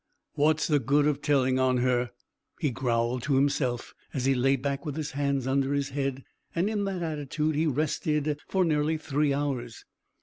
"What's the good of telling on her?" he growled to himself, as he lay back with his hands under his head; and in that attitude he rested for nearly three hours.